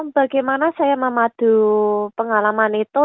bagaimana saya memadu pengalaman itu